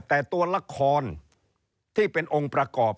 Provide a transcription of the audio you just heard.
แต่ตัวละครที่เป็นองค์ประกอบ